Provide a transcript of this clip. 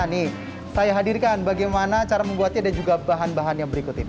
nih saya hadirkan bagaimana cara membuatnya dan juga bahan bahan yang berikut ini